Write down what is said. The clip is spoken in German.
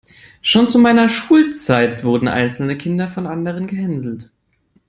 Schon zu meiner Schulzeit wurden einzelne Kinder von anderen gehänselt.